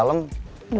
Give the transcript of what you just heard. mungkin luka dalam